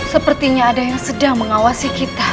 sepertinya ada yang sedang mengawasi kita